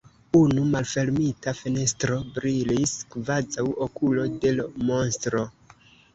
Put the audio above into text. Unu malfermita fenestro brilis kvazaŭ okulo de l' monstro.